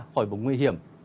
khỏi vùng nguy hiểm